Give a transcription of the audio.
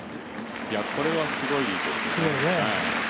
これは、すごいですね。